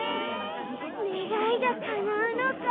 ねがいがかなうのか。